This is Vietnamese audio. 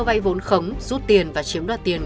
vay vốn khống rút tiền và chiếm đoạt tiền